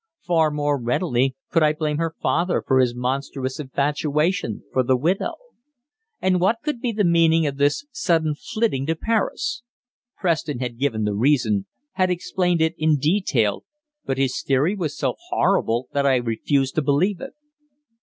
Far more readily could I blame her father for his monstrous infatuation for the widow. And what could be the meaning of this sudden flitting to Paris? Preston had given the reason, had explained it in detail, but his theory was so horrible that I refused to believe it.